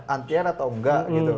antian atau enggak gitu